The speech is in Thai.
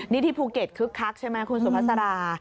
นี่ที่ภูเก็ตคึกคักใช่ไหมคุณสุภาษา